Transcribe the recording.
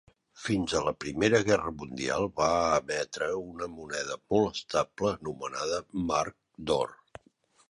Fins a la Primera Guerra Mundial, va emetre una moneda molt estable anomenada marc d'or.